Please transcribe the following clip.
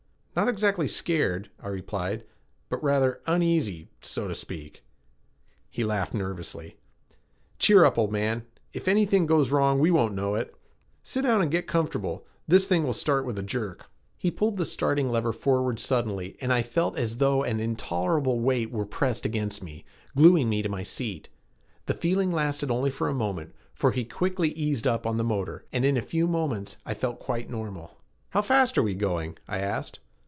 "Not exactly scared," I replied, "but rather uneasy, so to speak." He laughed nervously. "Cheer up, old man! If anything goes wrong, we won't know it. Sit down and get comfortable; this thing will start with a jerk." He pulled the starting lever forward suddenly and I felt as though an intolerable weight were pressed against me, glueing me to my seat. The feeling lasted only for a moment, for he quickly eased up on the motor, and in a few moments I felt quite normal. "How fast are we going?" I asked.